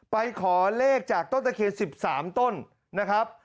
ไปขอเลขจากต้นตะเคียน๑๓ต้นนะครับ